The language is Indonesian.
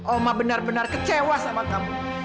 oma benar benar kecewa sama kamu